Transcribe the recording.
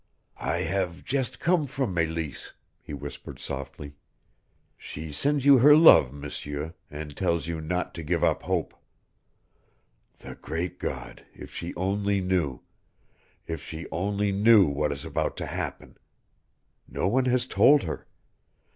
"I have just come from Meleese," he whispered softly. "She sends you her love, M'seur, and tells you not to give up hope. The great God, if she only knew if she only knew what is about to happen! No one has told her.